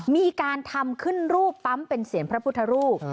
มีการทำขึ้นรูปปั๊มเป็นเสียงพระพุทธรูป